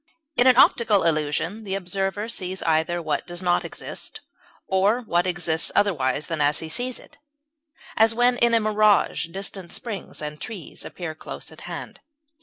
In an optical illusion the observer sees either what does not exist, or what exists otherwise than as he sees it, as when in a mirage distant springs and trees appear close at hand.